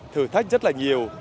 thử thách rất là nhiều